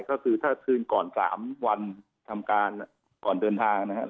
ก็คือถ้าคืนก่อน๓วันทำการก่อนเดินทางนะครับ